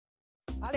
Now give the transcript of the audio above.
あれ？